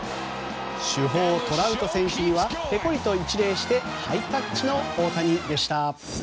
主砲トラウト選手にはペコリと一礼してハイタッチの大谷でした。